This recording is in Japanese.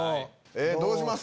どうします？